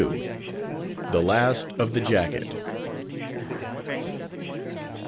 THE LAST OF THE JACKET.